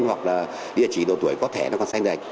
hoặc là địa chỉ đầu tuổi có thể nó còn xanh đầy